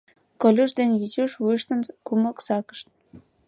Колюш ден Витюш вуйыштым кумык сакышт.